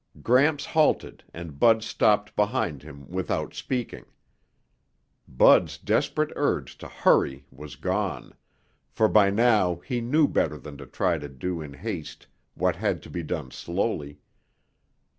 Gramps halted and Bud stopped behind him without speaking. Bud's desperate urge to hurry was gone, for by now he knew better than to try to do in haste what had to be done slowly.